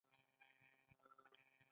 موږ باید له طبیعت سره همغږي شو.